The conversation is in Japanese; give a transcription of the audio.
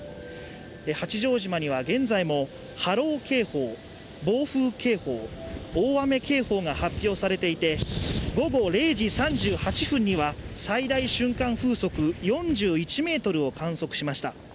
八丈島には現在も波浪警報、暴風警報、大雨警報が発表されていて午後０時３８分には最大瞬間風速４１メートルを観測しました。